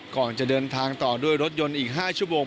ก่อนจะเดินทางต่อด้วยรถยนต์อีก๕ชั่วโมง